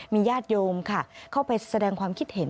มีญาติโยมค่ะเข้าไปแสดงความคิดเห็น